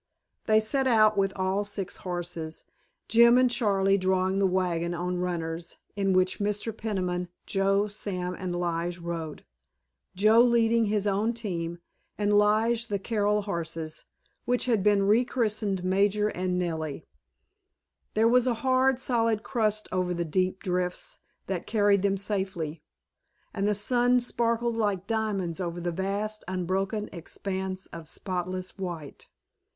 They set out with all six horses, Jim and Charley drawing the wagon on runners, in which Mr. Peniman, Joe, Sam, and Lige rode, Joe leading his own team and Lige the Carroll horses, which had been rechristened Major and Nellie. There was a hard, solid crust over the deep drifts, that carried them safely, and the sun sparkled like diamonds over the vast unbroken expanse of spotless white.